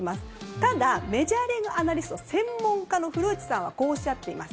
ただメジャーリーグアナリスト専門家の古内さんはこうおっしゃっています。